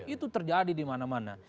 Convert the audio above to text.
itu terjadi dimana mana